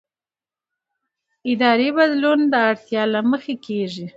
اداري بدلون د اړتیا له مخې کېږي